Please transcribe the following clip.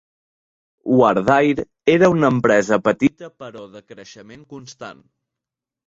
Wardair era una empresa petita però de creixement constant.